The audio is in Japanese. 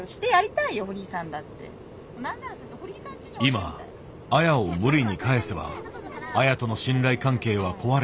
今アヤを無理に帰せばアヤとの信頼関係は壊れてしまう。